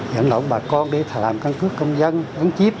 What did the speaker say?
dẫn động bà con đi làm căn cứ công dân đánh chiếp